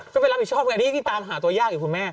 ก็ไปรับผิดชอบไงที่ตามหาตัวยากอยู่คุณแม่